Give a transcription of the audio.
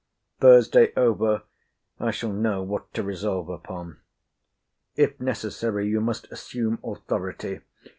Thursday over, I shall know what to resolve upon. If necessary, you must assume authority.